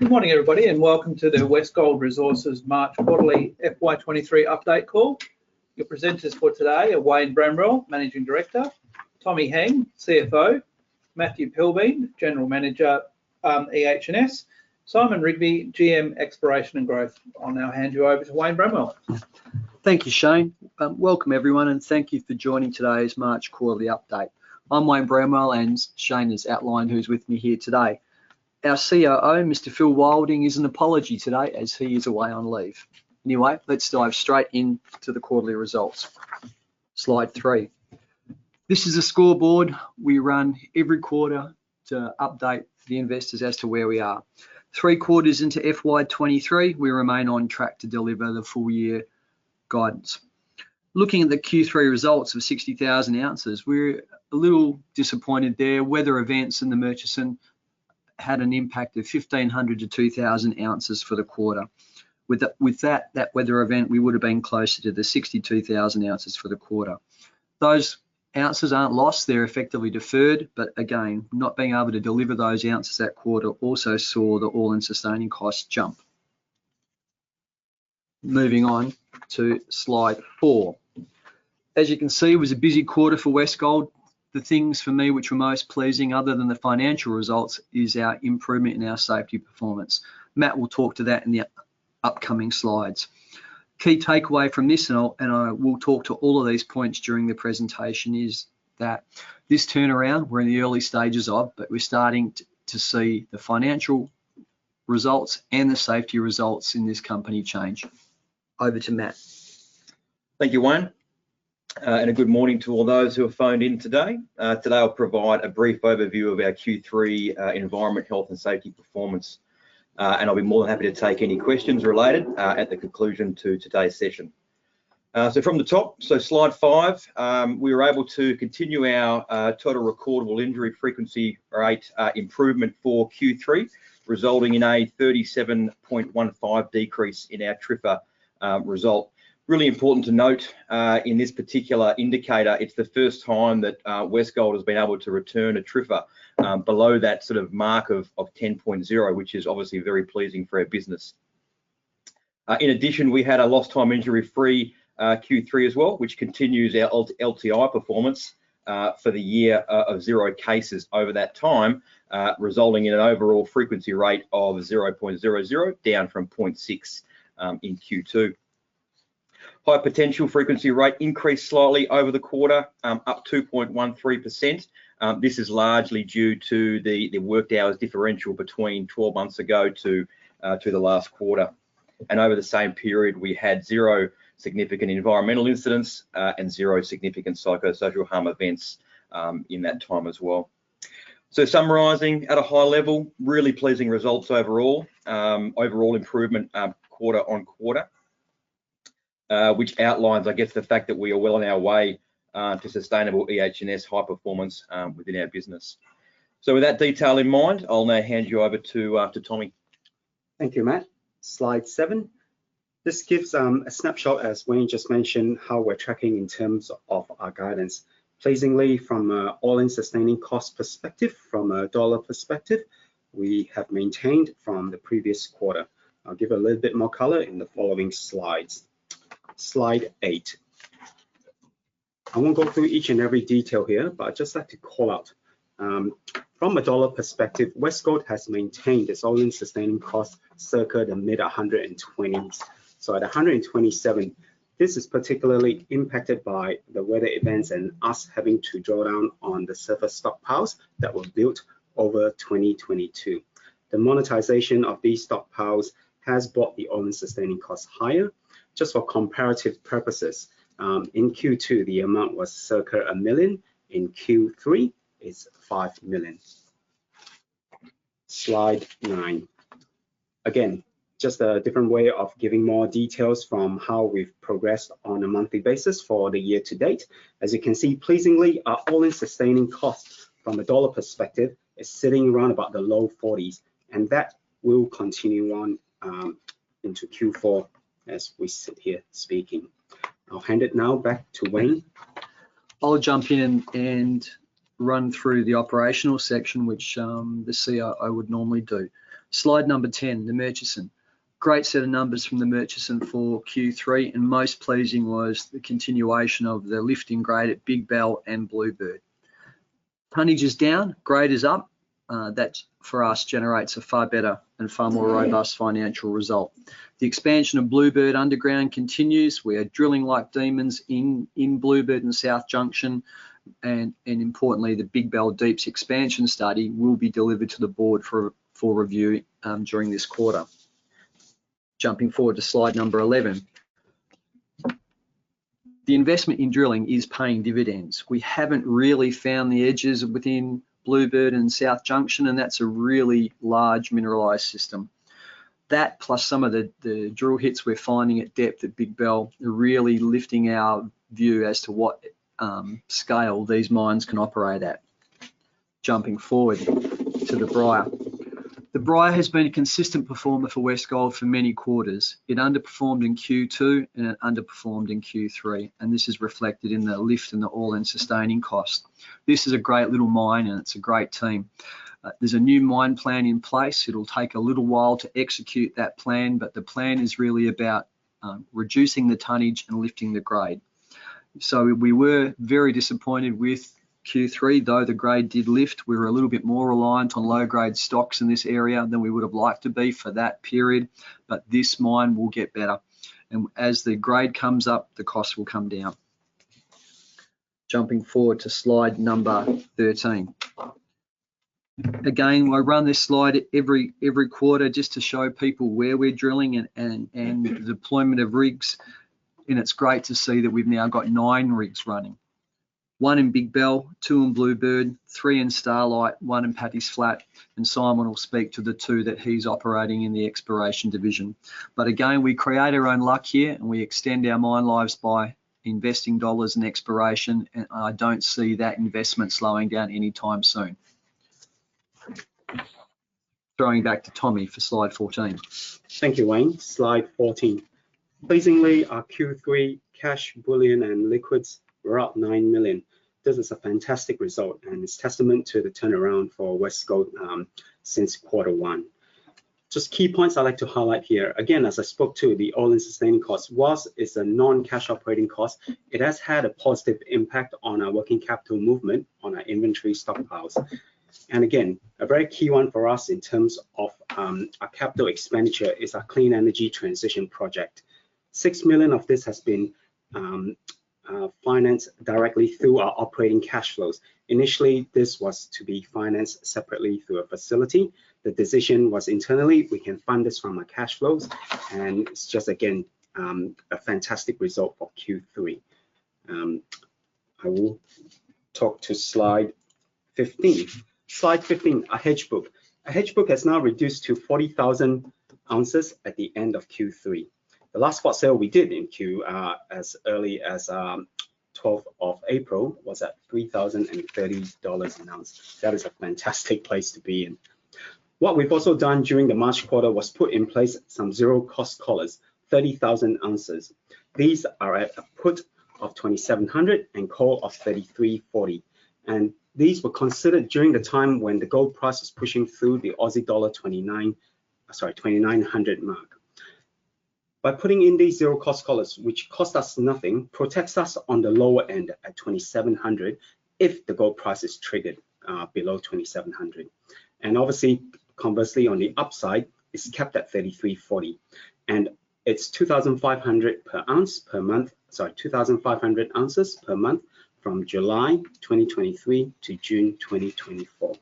Good morning everybody, and welcome to the Westgold Resources March quarterly FY 23 update call. Your presenters for today are Wayne Bramwell, Managing Director, Tommy Heng, CFO, Matthew Pilbeam, General Manager, EH&S, Simon Rigby, GM Exploration and Growth. I'll now hand you over to Wayne Bramwell. Thank you, Shane. Welcome everyone and thank you for joining today's March quarterly update. I'm Wayne Bramwell, and Shane has outlined who's with me here today. Our COO, Mr Phillip Wilding, is an apology today as he is away on leave. Anyway, let's dive straight into the quarterly results. Slide 3. This is a scoreboard we run every quarter to update the investors as to where we are. Three quarters into FY 2023, we remain on track to deliver the full year guidance. Looking at the Q3 results of 60,000 ounces, we're a little disappointed there. Weather events in the Murchison had an impact of 1,500-2,000 ounces for the quarter. With that weather event, we would have been closer to the 62,000 ounces for the quarter. Those ounces aren't lost. They're effectively deferred, but again, not being able to deliver those ounces that quarter also saw the all-in sustaining costs jump. Moving on to slide 4. As you can see, it was a busy quarter for Westgold. The things for me which were most pleasing other than the financial results is our improvement in our safety performance. Matt will talk to that in the upcoming slides. Key takeaway from this, and I will talk to all of these points during the presentation, is that this turnaround we're in the early stages of, but we're starting to see the financial results and the safety results in this company change. Over to Matt. Thank you, Wayne. Good morning to all those who have phoned in today. Today I'll provide a brief overview of our Q3, environment, health, and safety performance. I'll be more than happy to take any questions related at the conclusion to today's session. From the top, slide 5, we were able to continue our total recordable injury frequency rate improvement for Q3, resulting in a 37.15 decrease in our TRIFR result. Really important to note, in this particular indicator, it's the first time that Westgold has been able to return a TRIFR below that sort of mark of 10.0, which is obviously very pleasing for our business. In addition, we had a lost time injury-free Q3 as well, which continues our LTI performance for the year of 0 cases over that time, resulting in an overall frequency rate of 0.00, down from 0.6 in Q2. High potential frequency rate increased slightly over the quarter, up 2.13%. This is largely due to the worked hours differential between 12 months ago to the last quarter. Over the same period, we had 0 significant environmental incidents and 0 significant psychosocial harm events in that time as well. Summarizing at a high level, really pleasing results overall. Overall improvement, quarter-on-quarter, which outlines, I guess, the fact that we are well on our way to sustainable EH&S high performance within our business. With that detail in mind, I'll now hand you over to Tommy. Thank you, Matt. Slide 7. This gives a snapshot, as Wayne just mentioned, how we're tracking in terms of our guidance. Pleasingly, from a all-in sustaining cost perspective, from a dollar perspective, we have maintained from the previous quarter. I'll give a little bit more color in the following slides. Slide 8. I won't go through each and every detail here, but I'd just like to call out, from a dollar perspective, Westgold has maintained its all-in sustaining cost circa the mid 120s. At 127, this is particularly impacted by the weather events and us having to draw down on the surface stockpiles that were built over 2022. The monetization of these stockpiles has brought the all-in sustaining costs higher. Just for comparative purposes, in Q2, the amount was circa 1 million. In Q3, it's 5 million. Slide 9. Again, just a different way of giving more details from how we've progressed on a monthly basis for the year to date. As you can see, pleasingly, our all-in sustaining cost from a dollar perspective is sitting around about the AUD low forties. That will continue on into Q4 as we sit here speaking. I'll hand it now back to Wayne. I'll jump in and run through the operational section, which the COO would normally do. Slide number 10, the Murchison. Great set of numbers from the Murchison for Q3, and most pleasing was the continuation of the lifting grade at Big Bell and Bluebird. Tonnage is down, grade is up. That for us generates a far better and far more robust financial result. The expansion of Bluebird underground continues. We are drilling like demons in Bluebird and South Junction and importantly, the Big Bell Deeps expansion study will be delivered to the board for review during this quarter. Jumping forward to slide number 11. The investment in drilling is paying dividends. We haven't really found the edges within Bluebird and South Junction, and that's a really large mineralized system. That plus some of the drill hits we're finding at depth at Big Bell are really lifting our view as to what scale these mines can operate at. Jumping forward to the Bluebird. The Bluebird has been a consistent performer for Westgold for many quarters. It underperformed in Q2. It underperformed in Q3. This is reflected in the lift in the all-in sustaining cost. This is a great little mine, and it's a great team. There's a new mine plan in place. It'll take a little while to execute that plan. The plan is really about reducing the tonnage and lifting the grade. We were very disappointed with Q3, though the grade did lift. We were a little bit more reliant on low-grade stocks in this area than we would have liked to be for that period. This mine will get better. As the grade comes up, the costs will come down. Jumping forward to slide number 13. Again, I run this slide every quarter just to show people where we're drilling and the deployment of rigs, and it's great to see that we've now got 9 rigs running. 1 in Big Bell, 2 in Bluebird, 3 in Starlight, 1 in Paddy's Flat, and Simon will speak to the 2 that he's operating in the exploration division. Again, we create our own luck here, and we extend our mine lives by investing dollars in exploration, and I don't see that investment slowing down anytime soon. Throwing back to Tommy for slide 14. Thank you, Wayne. Slide 14. Pleasingly, our Q3 cash bullion and liquids were up 9 million. This is a fantastic result, and it's testament to the turnaround for Westgold since quarter one. Just key points I'd like to highlight here. As I spoke to, the all-in sustaining cost, AISC, is a non-cash operating cost. It has had a positive impact on our working capital movement, on our inventory stockpiles. A very key one for us in terms of our capital expenditure is our Clean Energy Transition Project. 6 million of this has been financed directly through our operating cash flows. Initially, this was to be financed separately through a facility. The decision was internally, we can fund this from our cash flows, and it's just again, a fantastic result for Q3. I will talk to slide 15. Slide 15, our hedge book. Our hedge book has now reduced to 40,000 ounces at the end of Q3. The last spot sale we did as early as 12th of April was at 3,030 dollars an ounce. That is a fantastic place to be in. What we've also done during the March quarter was put in place some zero-cost collars, 30,000 ounces. These are at a put of 2,700 and call of 3,340. These were considered during the time when the gold price was pushing through the Aussie dollar, Sorry, 2,900 mark. By putting in these zero-cost collars, which cost us nothing, protects us on the lower end at 2,700 if the gold price is triggered below 2,700. Obviously, conversely, on the upside, it's kept at 3,340. It's 2,500 per ounce per month... Sorry, 2,500 ounces per month from July 2023 to June 2024.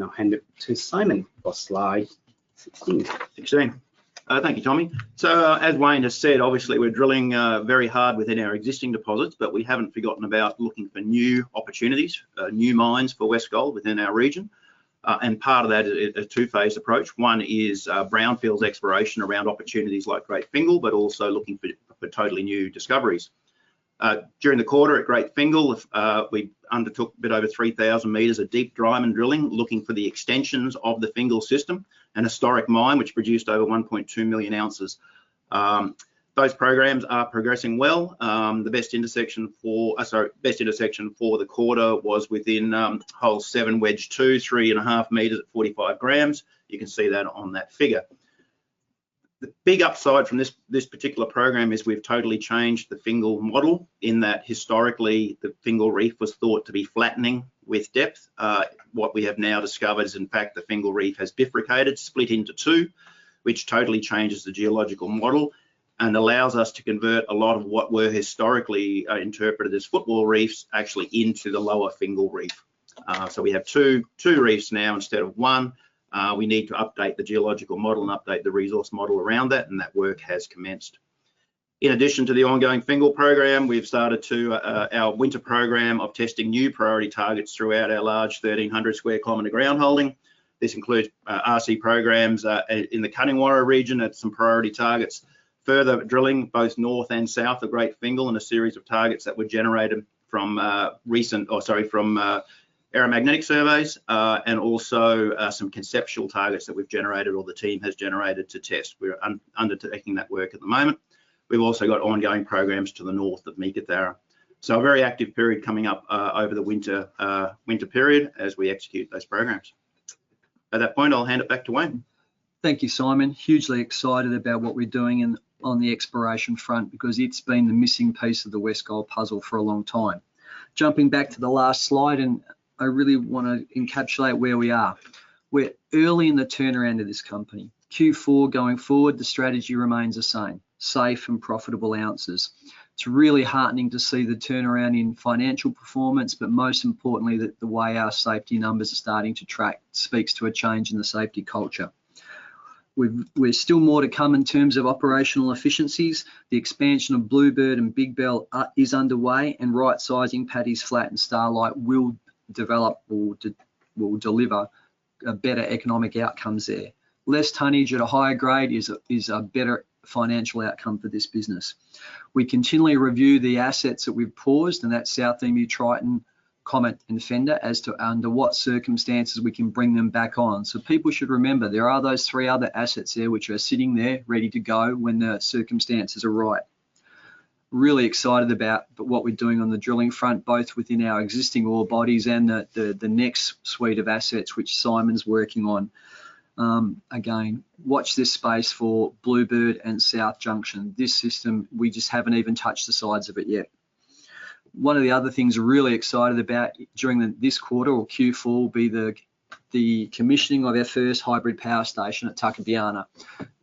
I'll hand it to Simon for slide 16. 16. Thank you, Tommy. As Wayne has said, obviously we're drilling very hard within our existing deposits, but we haven't forgotten about looking for new opportunities, new mines for Westgold within our region. Part of that is a two-phase approach. One is brownfields exploration around opportunities like Great Fingall, but also looking for totally new discoveries. During the quarter at Great Fingall, we undertook a bit over 3,000 meters of deep diamond drilling, looking for the extensions of the Fingall system, an historic mine which produced over 1.2 million ounces. Those programs are progressing well. The best intersection for the quarter was within hole 7, wedge 2, 3.5 meters at 45 grams. You can see that on that figure. The big upside from this particular program is we've totally changed the Great Fingall Reef model in that historically, the Great Fingall Reef was thought to be flattening with depth. What we have now discovered is, in fact, the Great Fingall Reef has bifurcated, split into two, which totally changes the geological model and allows us to convert a lot of what were historically interpreted as footwall reefs actually into the lower Great Fingall Reef. We have two reefs now instead of one. We need to update the geological model and update the resource model around that. That work has commenced. In addition to the ongoing Great Fingall Reef program, we've started our winter program of testing new priority targets throughout our large 1,300 sq km ground holding. This includes RC programs in the Cuddingwarra region at some priority targets. Further drilling both north and south of Great Fingall in a series of targets that were generated from aeromagnetic surveys and also some conceptual targets that we've generated or the team has generated to test. We're undertaking that work at the moment. We've also got ongoing programs to the north of Meekatharra. A very active period coming up over the winter period as we execute those programs. At that point, I'll hand it back to Wayne. Thank you, Simon. Hugely excited about what we're doing on the exploration front because it's been the missing piece of the Westgold puzzle for a long time. Jumping back to the last slide, I really wanna encapsulate where we are. We're early in the turnaround of this company. Q4 going forward, the strategy remains the same: safe and profitable ounces. It's really heartening to see the turnaround in financial performance, but most importantly, the way our safety numbers are starting to track speaks to a change in the safety culture. We've still more to come in terms of operational efficiencies. The expansion of Bluebird and Big Bell is underway, and right-sizing Paddy's Flat and Starlight will deliver better economic outcomes there. Less tonnage at a higher grade is a better financial outcome for this business. We continually review the assets that we've paused, and that's South Emu, Triton, Comet, and Fender, as to under what circumstances we can bring them back on. People should remember, there are those three other assets there which are sitting there ready to go when the circumstances are right. Really excited about what we're doing on the drilling front, both within our existing ore bodies and the next suite of assets which Simon's working on. Again, watch this space for Bluebird and South Junction. This system, we just haven't even touched the sides of it yet. One of the other things we're really excited about during this quarter or Q4 will be the commissioning of our first hybrid power station at Tuckabianna.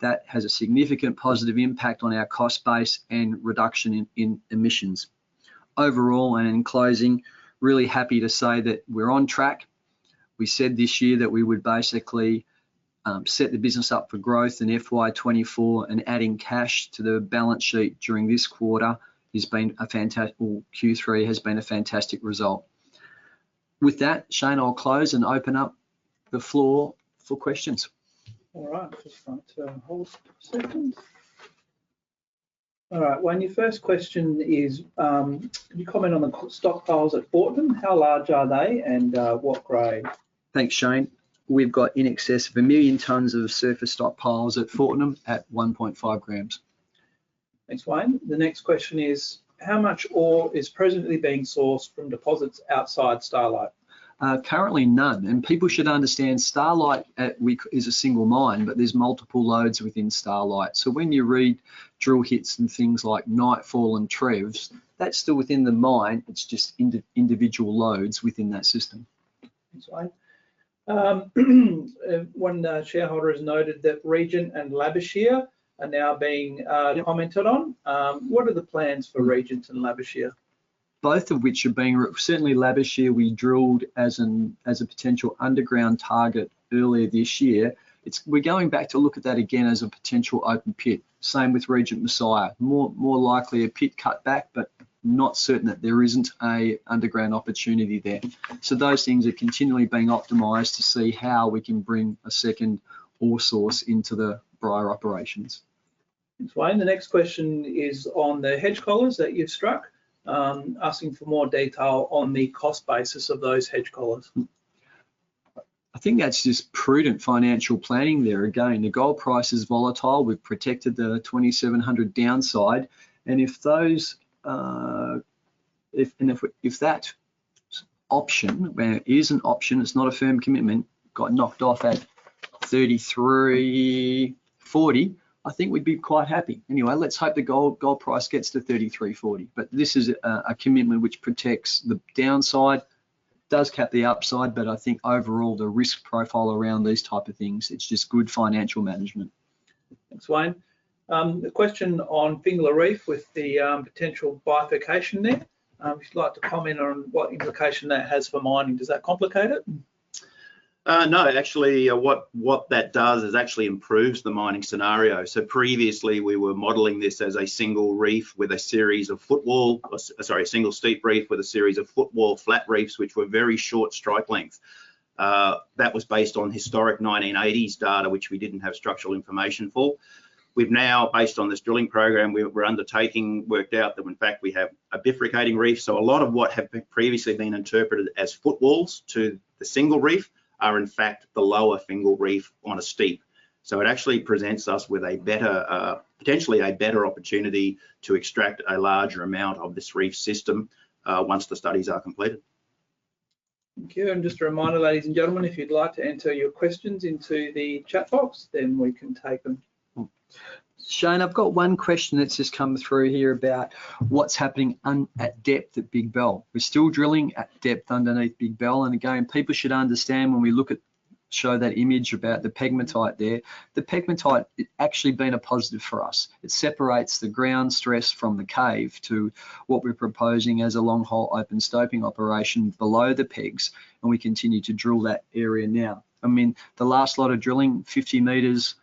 That has a significant positive impact on our cost base and reduction in emissions. In closing, really happy to say that we're on track. We said this year that we would basically set the business up for growth in FY 2024 and adding cash to the balance sheet during this quarter or Q3 has been a fantastic result. Shane, I'll close and open up the floor for questions. All right. Just going to hold a second. All right. Wayne, your first question is, can you comment on the stockpiles at Fortnum? How large are they and, what grade? Thanks, Shane. We've got in excess of 1,000,000 tons of surface stockpiles at Fortnum at 1.5 grams. Thanks, Wayne. The next question is, how much ore is presently being sourced from deposits outside Starlight? Currently none. People should understand Starlight is a single mine, but there's multiple lodes within Starlight. When you read drill hits and things like Nightfall and Truce, that's still within the mine, it's just individual lodes within that system. Thanks, Wayne. 1 shareholder has noted that Regent and Labouchere are now being, commented on. What are the plans for Regent and Labouchere? Both of which are being. Certainly Labouchere we drilled as a potential underground target earlier this year. We're going back to look at that again as a potential open pit. Same with Regent Messiah. More likely a pit cut back, but not certain that there isn't a underground opportunity there. Those things are continually being optimized to see how we can bring a second ore source into the Bryah operations. Thanks, Wayne. The next question is on the hedge collars that you've struck, asking for more detail on the cost basis of those hedge collars. I think that's just prudent financial planning there. Again, the gold price is volatile. We've protected the 2,700 downside. If those, if that option, where it is an option, it's not a firm commitment, got knocked off at 3,340, I think we'd be quite happy. Anyway, let's hope the gold price gets to 3,340. This is a commitment which protects the downside, does cap the upside, but I think overall, the risk profile around these type of things, it's just good financial management. Thanks, Wayne. The question on Fingall Reef with the potential bifurcation there, would you like to comment on what implication that has for mining? Does that complicate it? No. Actually, what that does is actually improves the mining scenario. Previously we were modeling this as a single reef with a series of footwall, or sorry, a single steep reef with a series of footwall flat reefs, which were very short strike length. That was based on historic 1980s data, which we didn't have structural information for. We've now, based on this drilling program we're undertaking, worked out that in fact we have a bifurcating reef. A lot of what had been previously been interpreted as footwalls to the single reef are in fact the lower Fingall Reef on a steep. It actually presents us with a better, potentially a better opportunity to extract a larger amount of this reef system, once the studies are completed. Thank you. Just a reminder, ladies and gentlemen, if you'd like to enter your questions into the chat box, then we can take them. Shane, I've got one question that's just come through here about what's happening at depth at Big Bell. We're still drilling at depth underneath Big Bell. Again, people should understand when we look at show that image about the pegmatite there. The pegmatite, it actually been a positive for us. It separates the ground stress from the cave to what we're proposing as a long hole open stoping operation below the pegs, and we continue to drill that area now. I mean, the last lot of drilling, 50 meters,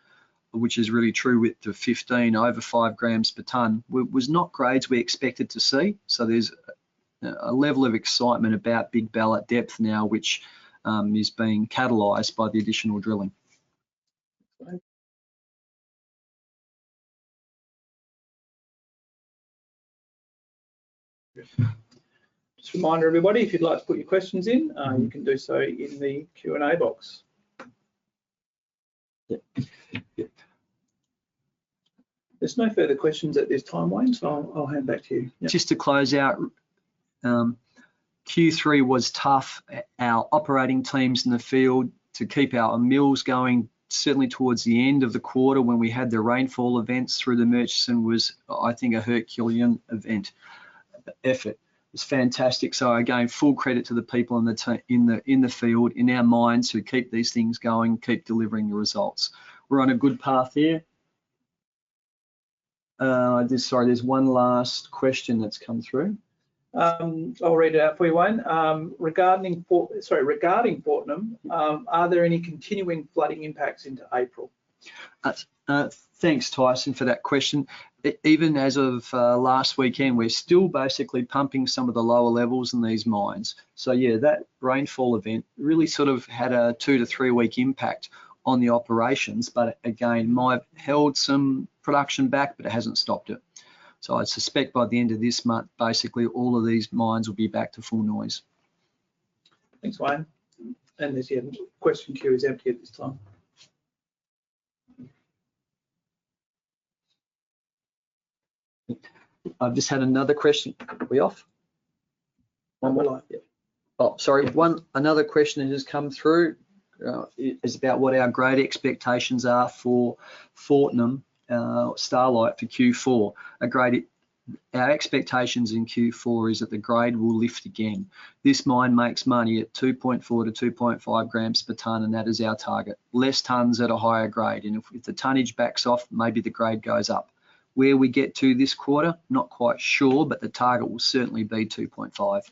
which is really true width of 15 over 5 grams per ton, was not grades we expected to see. There's a level of excitement about Big Bell at depth now, which is being catalyzed by the additional drilling. Thanks, Wayne. Just a reminder everybody, if you'd like to put your questions in, you can do so in the Q&A box. Yeah. There's no further questions at this time, Wayne, so I'll hand back to you. Yeah. Just to close out, Q3 was tough. Our operating teams in the field to keep our mills going, certainly towards the end of the quarter when we had the rainfall events through the Murchison was, I think a herculean event. Effort was fantastic. Again, full credit to the people in the field, in our minds, who keep these things going, keep delivering the results. We're on a good path here. Sorry, there's one last question that's come through. I'll read it out for you, Wayne. Regarding Fortnum, are there any continuing flooding impacts into April? Thanks, Tyson, for that question. Even as of last weekend, we're still basically pumping some of the lower levels in these mines. Yeah, that rainfall event really sort of had a 2-3 week impact on the operations. Again, might held some production back, but it hasn't stopped it. I suspect by the end of this month, basically all of these mines will be back to full noise. Thanks, Wayne. The, the question queue is empty at this time. I've just had another question. Are we off? One more left, yeah. Sorry. Another question that has come through is about what our grade expectations are for Fortnum, Starlight for Q4. Our expectations in Q4 is that the grade will lift again. This mine makes money at 2.4-2.5 grams per ton, that is our target. Less tons at a higher grade. If the tonnage backs off, maybe the grade goes up. Where we get to this quarter, not quite sure, but the target will certainly be 2.5.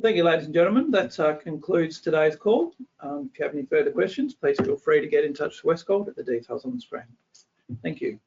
Thank you, ladies and gentlemen. That concludes today's call. If you have any further questions, please feel free to get in touch with Westgold at the details on the screen. Thank you.